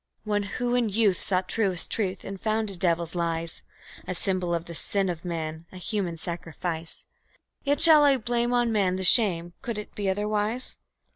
One who in youth sought truest truth and found a devil's lies; A symbol of the sin of man, a human sacrifice. Yet shall I blame on man the shame? Could it be otherwise?